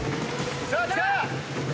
さあ来た！